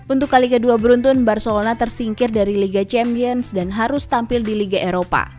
untuk kali kedua beruntun barcelona tersingkir dari liga champions dan harus tampil di liga eropa